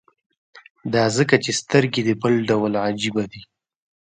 دا ځکه چې سترګې دې بل ډول او عجيبه دي.